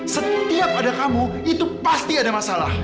setiap ada kamu itu pasti ada masalah